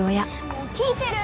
もう聞いてる？